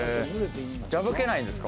破けないんですか？